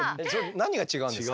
何が違うんですか？